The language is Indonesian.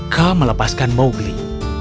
kera melepaskan mowgli